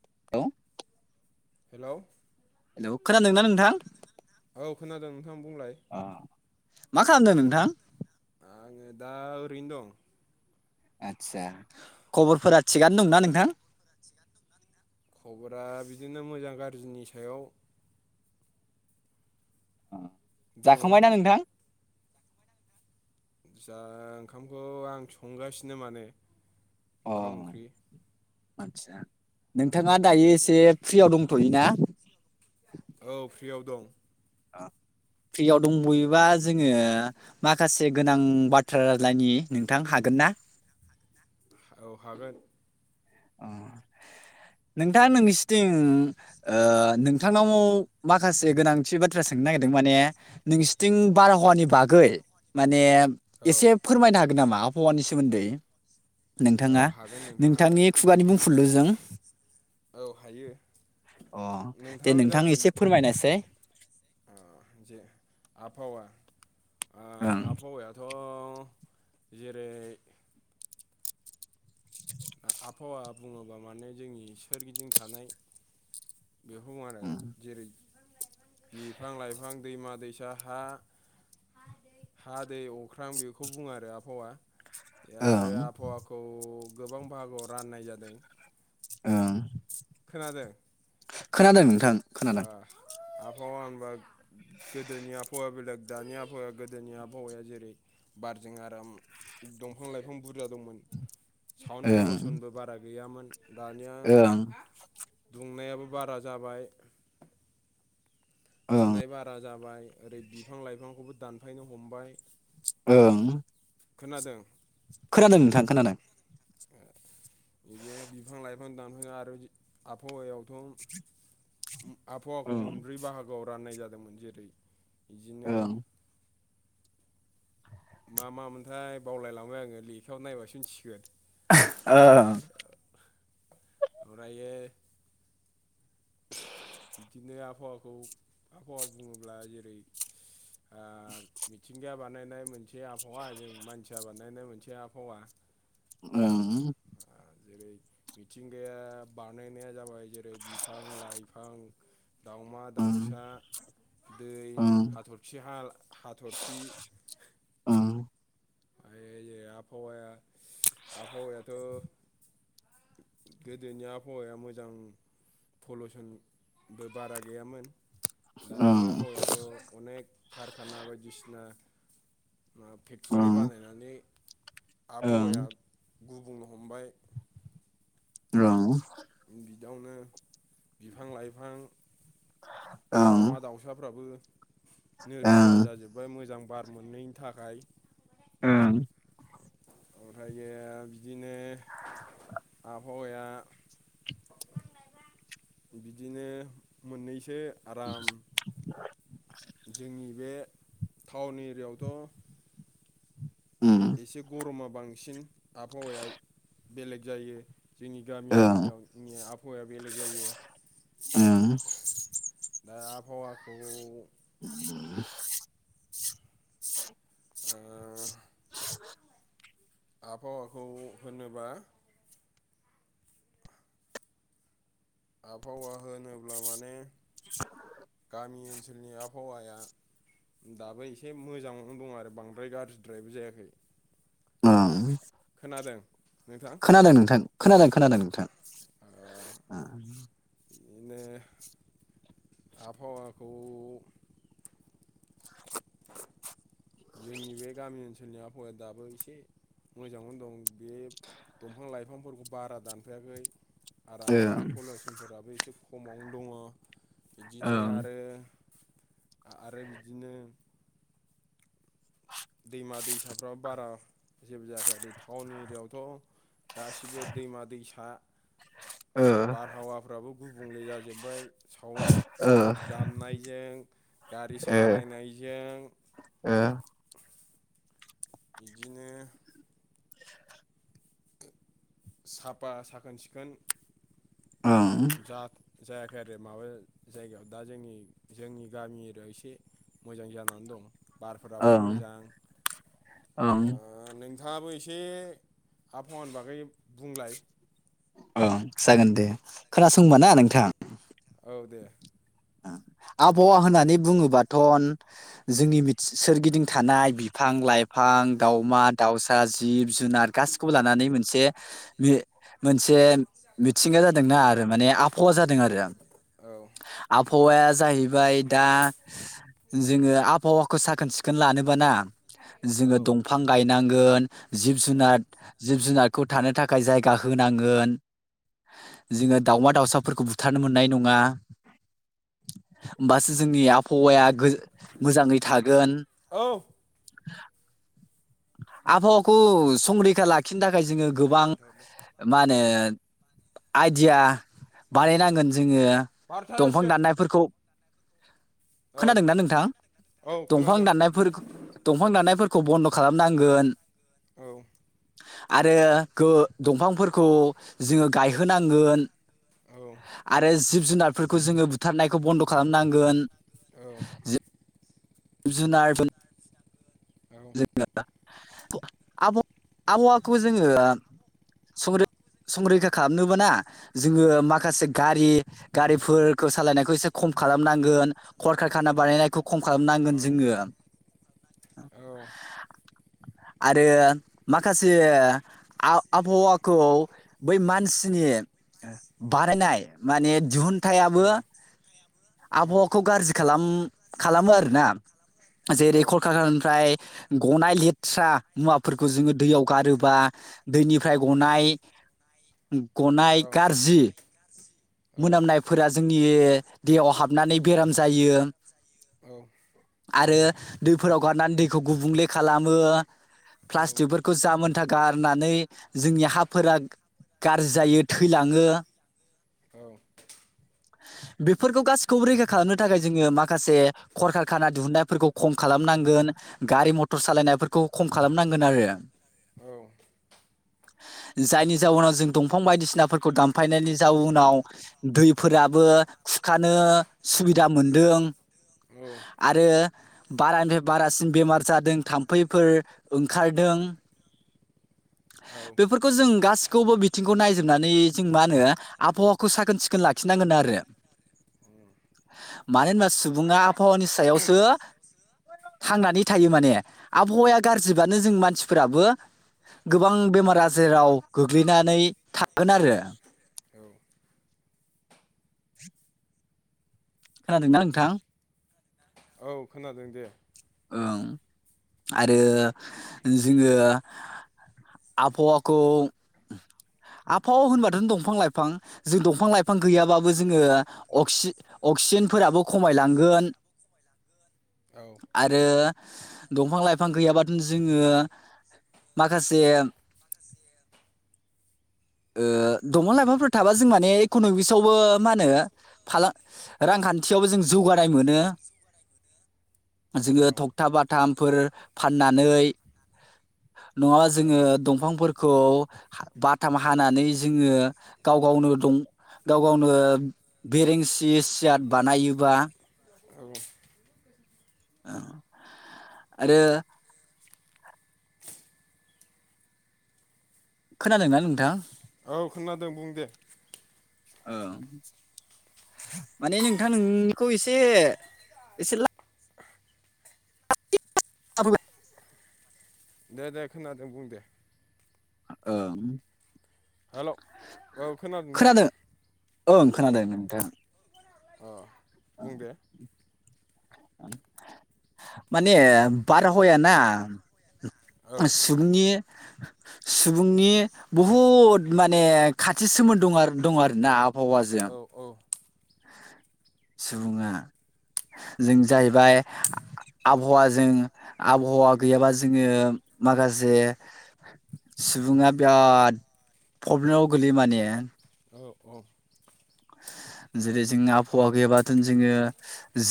[unintelligible] Hello hello ' खोनादोंना नोंथां औ खोनादों नोंथां बुंलाय आ मा खालामदों नोंथां आंङो दा ओरैनो दं आतसा खबरफोरा थिगानो दंना नोंथां खबरा बिदिनो मोजां गाज्रिनि सायाव दङ जाखांबायना नोंथां जा ओंखामखौ आं संगासिनो माने अ ओंखाम ओंख्रि आदसा नोंथाङा दायो एसे फ्रियाव दंथ'यो ना औ फ्रियाव दं आ फ्रियाव दंबयोबा जोङो माखासे गोनां बाथ्रा रायज्लायनि नोंथां हागोन ना औ हागोन अ नोंथाङा नोंसिथिं ओ नोंथांनाव माखासे गोनांथि बाथ्रा सोंनो नागिरदों माने नोंसिथिं बारहावानि बागै माने औ एसे फोरमायनो हागोन नामा आबहावानि सोमोन्दै औ नोंथाङा हागोन नोंथां नोंथांनि हागोन खुगानि बुंफुरलुजों औ हायो अ दे नोंथां एसे फोरमायनाय साय अ जे आबहावा ओं आबहावायाथ' जेरै आबहावा बुङोबा माने जोंनि सोरगिदिं थानाय बेखौ आरो जेरै बिफां लाइफां दैमा दैसा हा हा दै अख्रां बेखौ बुङो आरो आबहावा आरो ओं आबहावाखौ गोबां बाहागोआव राननाय जादों ओं खोनादों खोनादों नोंथां ओ खोनादों आबहावा होनबा गोदोनि आबहावा बेलेग दानि आबहावाया बेलेग गोदोनि आबहावाया जेरै बारजों आराम दंफां लाइफां ब बुरजा दंमोन साउन्ड ओं पलुसनबो बारा गैयामोन दानिया ओं दुंनायाबो बारा जाबाय। ओं दुंनाय बारा जाबाय ओरै बिफां लाइफांखौबो दानफायनो हमबाय औ खोनादों खोनादों नोंथां खोनादों बिदिनो बिफां लाइफां दानफ आरो आबहावायावथ' आबहावाखौ ओं मोनब्रै बाहागोआव राननाय जादोंमोन जेरै बिदिनो ओं मा मामोनथाय बावलायलांबाय आङो लेखायाव नायबासो मिथिसिगोन ओ ओमफ्रायो [inaudible] बिदिनो आबहावाखौ आबहावा बुङोब्ला जेरै मिथिंगाया बानायनाय मोनसे आबहावा जों मानसिया बानायनाय मोनसे आबहावा ओं जेरै मिथिंगाया बानायनाया जाबाय जेरै बिफां लाइफां दाउमा दाउसा दै ओं हाथरखि हा हाथरखि ओं ओइ आबहावाया आबहावायाथ' गोदोनि आबहावाया मोजां पलुसनबो बारा गैयामोन दानि ओं आबहावायाथ' अनेक कारखाना बायदिसिना मा ओं ओं [unintelligible] औ बेयावनो बिफां लाइफां ओं ओं दावमा दाउसाफ्राबो नोरजिया ओं जाजोबबाय मोजां बार मोनैनि थाखाय ओं ओमफ्रायो बिदिनो आबहावाया बिदिनो मोननैसो आराम जोंनि बे टाउन एरियायावथ' उम एसे गरमा बांसिन आबहावाया बेलेग जायो जोंनि ओं गामियारियावनि आबहावाया बेलेग जायो ओं दा आबहावाखौ ओ आबहावाखौ होनोबा आबहावा होनोब्ला माने गामि ओनसोलनि आबहावाया दाबो एसे मोजाङावनो दं आरो बांद्राय गाज्रिद्रायबो जायाखै ओं खोनादों नोंथां खोनादों नोंथां खोनादों खोनादों नोंथां ओ बिदिनो आबहावाखौ [inaudible] जोंनि बे गामि ओनसोलनि आबहावाया दाबो एसे मोजांआवनो दं। बे दंफां लाइफांफोरखौ बारा दानफायाखै। आराम साउड ओं पलिउसनफोराबो एसे खमावनो दङ। बिदिनो ओं आरो आरो बिदिनो दैमा दैसाफ्राबो बारा जेबो जायाखै ओरै टाउन एरियाायावथ' गासिबो दैमा दैसा ओ बारहावाफ्राबो गुबुंले जाजोब्बाय। ओ साावनफोर दामनायजों, गारि ओ सालायनायजों ओ बिदिनो- साफा साखोन सिखोन ओम जा जायाखै आरो माबा जायगायाव दा जोंनि जोंनि गामि एरियाव एसे मोजां जानानै दं। बारफोराबो ओं मोजां। ओं ओ नों नोंथाङाबो एसे आबहावानि बागै बुंलाय। औ जागोन दे। खोनासं ओमबा ना नोंथां। औ दे ओं आबहावा होननानै बुङोबाथ'न जोंनि बि सोरगिदिं थानाय बिफां लाइफां आं दाउमा दाउसा, जिब जुनार, गासिखौबो लानानै मोनसे बे मोनसे मिथिंगा जादोंना आरो माने आबहावा जादों औ आरो औ आबहावाया जाहैबाय दा जोङो आबहावाखौ साखोन सिखोन लानोबा ना औ जोङो दंफां गायनांगोन, जिब औ जुनाद, जिब जुनाद खौ थानो थाखाय जायगा होनांगोन। जोङो दावमा दाउसाफोरखौ बुथारनो मोननाय नङा। होमबासो जोंनि आबहावाया गो मोजाङै थागोन। औ आबहावाखौ संरैखा लाखिनो थाखाय जोङो टाइम गोबां खिन्थाहरलाय मा होनो आइडिया बानायनांगोन जोङो। बार'था दंफां जासिगोन दाननायफोरखौ औ खोनादोंना नोंथां? औ दंफां खोनादों दाननायफोरख दंफां दाननायफोर खौ बन्द' खालामनांगोन। औ आरो गो दंफांफोरखौ जोङो गायहोनांगोन। औ आरो जिब जुनारफोरखौ जोङो बुथारनायखौ बन्द' खालामनांगोन। औ जुनारबोन औ गो‌ ना आब आबहावाखौ जोङो संरै संरैखा खालामनोबाना जोङो माखासे गारि गारिफोरखौ सालायनायखौ एसे खम खालामनांगोन, खरखारखाना बानायनायखौ खम खालामनांगोन औ जोङो। औ उम औ आरो माखासे आब-आबहावाखौ बै मानसिनि बारायनाय माने दिहुन थायाबो आबहावाखौ गाज्रि खालाम मो आरोना। जेरै -कलखारखानिफ्राय गनाय लेथ्रा मुवाफोरखौ जोङो दैयाव गारोबा, दैनिफ्राय गनाय गनाय गारजि मोनामनायफोरा जोंनि दैेयाव हाबनानै बेराम जायो। औ आरो दैफोराव गारनानै दैखौ गुबुंले खालामो। प्लास्टिकफोरखौ जाहामोनथा गारनानै जोंनि हाफोरा गाज्रि जायो थैलाङो। बेफोरखौ गासिखौबो रैखा खालामनो थाखाय जोङो माखासे खरखार खाना दिहुनन्नायफोरखौ खम खालामनांगोन। गारि मथर सालायनायफोरखौ खम खालामनांगोन आरो। औ जायनि जाउनाव जों दंफां बायदिसिनाफोरखौ दानफायनायनि जाउ नाव दैफोराबो खुरखानो सुबिदा मोनदों। औ आरो बारानिफ्राय बारासिन बेमार जादों थाम्फैफोर ओंखारदों। औ [unintelligible] बेफोरखौ जों गासिखौबो बिथिंखौ नायजोबनानै जों मा होनो आबहावाखौ साखोन सिखोन लाखिनांगोन आरो। मानो होनबा सुबुङा आबहावानि सायावसो थांनानै थायो माने आबहावाया गाज्रिबानो जों मानसिफोराबो गोबां बेमार आजाराव गोग्लैनानै थागोन आरो। औ। खोनादों ना नोंथां। औ खोनादों दे। ओं आरो जोङो आबहावाखौ आबहावा होनबाथ' दंफां लाइफां जों दंफां लाइफां गैयाबाबो जोङो अख्सि अ क्सिजेनफोराबो खमायलांगोन। औ। आरो दंफां लाइफां गैयाबाथ जोङो माखासे ओ दफां लाइफांफोर थाबा जों माने इकनमिक्सआवबो मा होनो फालां रां खान्थियावबो जों जौगानाय मोनो। जोङो औ थखथा बाथामफोर फाननानै नङाबा औ जोङो दंफांफोरखौ बाथाम हानानै जोङो गाव गावनो दं गाव गावनो बेरेंसि सियाट बानायोबा औ ओं आरो खोनादोंना नोंथां? औ खोनादों बुं दे। ओं। माने नोंथां नोंनिखौ एसे एसे ला [unintelligible] दे दे खोनादों बुं दे। ओं। हेल' औ खोनादोंदा। खोनादों ओं खोनादों नोंथां। ओ बुं दे। माने बारहाया ना औ सुबुंनि सुबुंनि बुहुद माने खाथि सोमोन्द दं आरो दं आरो ना। आफ हावाजों। औ औ सुबुङा जों जाहैबाय आबहावाजों आबहावा गैयाबा जोङो माखासे सुबुङा बिराद प्रब्लेमाव गोलैयो माने। औ औ। [unintelligible] जेरै जों आबहावा गैयाबाथ' जोङो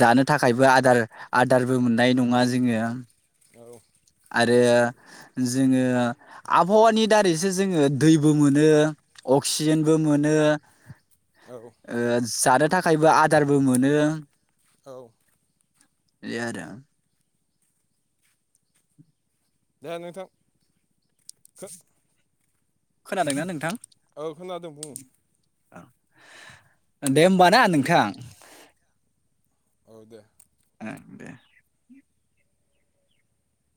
जानो थाखायबो आदार आदारबो मोननाय न ङा जोङो। औ। आरो जोङो आबहावानि दारैसो जोङो दैबो मोनो। अक्सिजेनबो मोनो। औ ओ जानो थाखायबो आदारबो मोनो। औ। इदिआरो। दे नोंथां खो खोनादोंना नोंथां? औ खोनादों बुं। ओं दे होमबा ना नोंथां। औ दे। ओं दे।